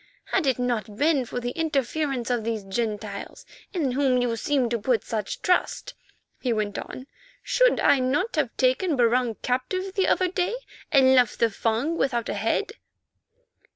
"Had it not been for the interference of these Gentiles, in whom you seem to put such trust," he went on, "should I not have taken Barung captive the other day, and left the Fung without a head?"